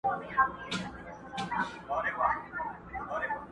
د ګدا لور ښایسته وه تکه سپینه،